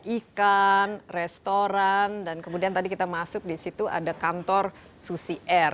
ikan restoran dan kemudian tadi kita masuk di situ ada kantor susi air